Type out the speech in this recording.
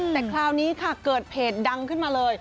แต่คราวนี้ค่ะเกิดเพจดังขึ้นมาเลย